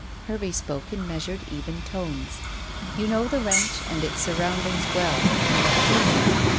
Hervey spoke in measured, even tones. "You know the ranch and its surroundings well. You have been there.